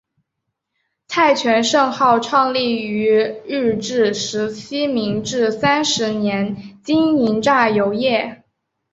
蔡泉盛号创立于日治时期明治三十年经营榨油业。